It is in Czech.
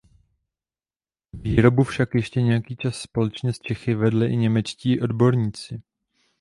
Výrobu však ještě nějaký čas společně s Čechy vedli i němečtí odborníci.